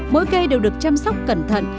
mỗi cây đều được chăm sóc cẩn thận